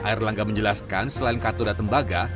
erlangga menjelaskan selain katoda tembaga